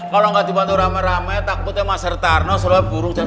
kalau nggak dibantu rame rame takutnya mas hertarno selalu buruk